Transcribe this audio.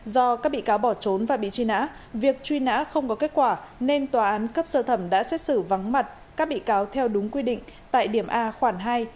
do các bị cáo bỏ trốn và bị truy nã việc truy nã không có kết quả nên tòa án cấp sơ thẩm đã xét xử vắng mặt các bị cáo theo đúng quy định tại điểm a khoản hai